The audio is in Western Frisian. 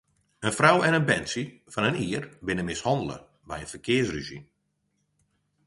In frou en in berntsje fan in jier binne mishannele by in ferkearsrûzje.